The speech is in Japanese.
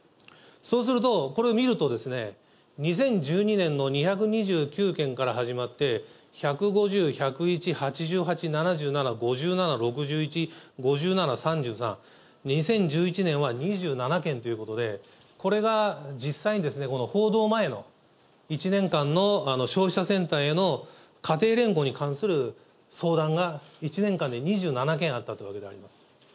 そうすると、これを見ると、２０１２年の２２９件から始まって、１５０、１０１、８８、７７、５７、６１、５７、３３、２０２１年は２７件ということで、これが実際に、この報道前の１年間の消費者センターへの家庭連合に関する相談が１年間で２７件あったというわけであります。